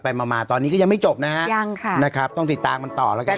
มามาตอนนี้ก็ยังไม่จบนะฮะยังค่ะนะครับต้องติดตามกันต่อแล้วกัน